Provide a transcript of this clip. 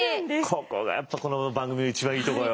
ここがこの番組の一番いいとこよ。